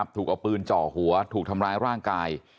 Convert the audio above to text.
ถูกเอาปืนเจาะหัวถูกทำร้ายร่างกาย